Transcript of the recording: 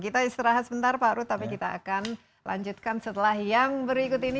kita istirahat sebentar pak ruth tapi kita akan lanjutkan setelah yang berikut ini